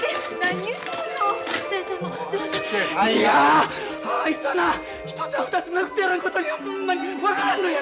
いやあいつはな一つや二つ殴ってやらんことにはほんまに分からんのや！